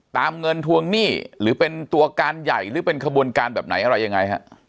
ตามเงินทวงหนี้หรือเป็นตัวการใหญ่หรือเป็นขบวนการแบบไหนอะไรยังไงฮะ